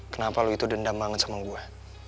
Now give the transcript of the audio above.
kenapa lo itu dendam banget sama gua